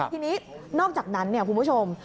ทีนี้นอกจากนั้นคุณผู้ชม